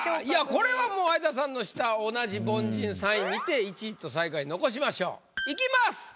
いやこれはもう相田さんの下同じ凡人３位見て１位と最下位残しましょう。いきます。